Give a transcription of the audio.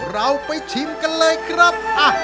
เราไปชิมกันเลยครับ